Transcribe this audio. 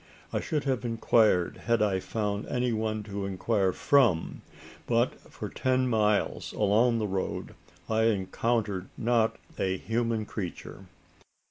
I should have inquired had I found any one to inquire from; but, for ten miles along the road, I encountered not a human creature.